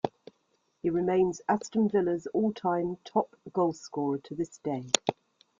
He remains Aston Villa's all-time top goalscorer to this day.